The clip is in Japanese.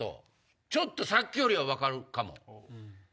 ちょっとさっきよりは分かるかも。